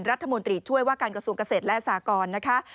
รัฐมนตรีช่วยว่าการกระทรวงเกษตรและสากรนะคะ